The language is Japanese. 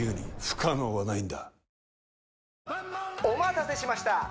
お待たせしました